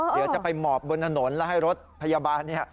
เดี๋ยวจะไปหมอบบนถนนแล้วให้รถพยาบาลเนี่ย